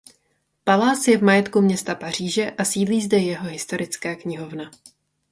Palác je v majetku města Paříže a sídlí zde jeho historická knihovna.